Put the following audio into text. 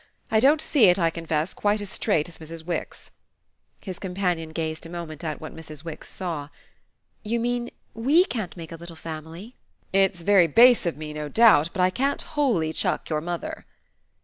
I don't see it, I confess, quite as straight as Mrs. Wix." His companion gazed a moment at what Mrs. Wix saw. "You mean WE can't make a little family?" "It's very base of me, no doubt, but I can't wholly chuck your mother."